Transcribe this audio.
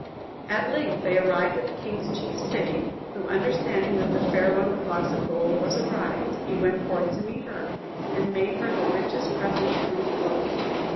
At length they arrived at the king's chief city, who understanding that the Fair One with Locks of Gold was arrived, he went forth to meet her, and made her the richest presents in the world.